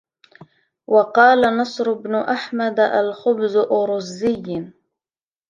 وَقَالَ نَصْرُ بْنُ أَحْمَدَ الْخُبْزُ أَرُزِّيٍّ